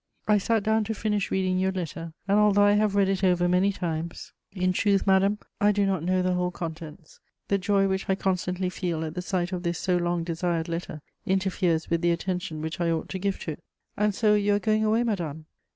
I sat down to finish reading your letter, and, although I have read it over many times, in truth, madame, I do not know the whole contents. The joy which I constantly feel at the sight of this so long desired letter interferes with the attention which I ought to give to it. [Sidenote: Letters from Lucile.] "And so you are going away, madame?